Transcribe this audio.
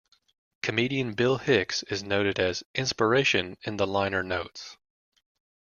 Comedian Bill Hicks is noted as "inspiration" in the liner notes.